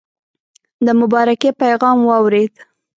د مبارکی پیغام واورېد.